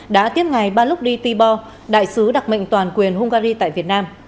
đã tiết ngài ba lúc đi ti bò đại sứ đặc mệnh toàn quyền hungary tại việt nam